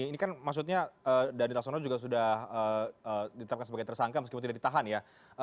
ini kan maksudnya dhani laksono juga sudah ditetapkan sebagai tersangka meskipun tidak ditahan ya